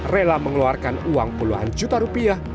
rela mengeluarkan uang puluhan juta rupiah